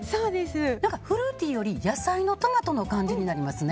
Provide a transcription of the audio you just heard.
フルーティーより野菜のトマトの感じになりますね。